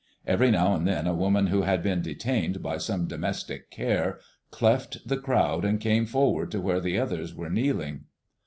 Every now and then a woman who had been detained by some domestic care cleft the crowd and came forward to where the others were kneeling.